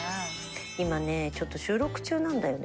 今ねちょっと収録中なんだよね。